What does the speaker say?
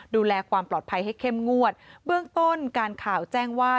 ดูแลความปลอดภัยให้เข้มงวดเบื้องต้นการข่าวแจ้งว่า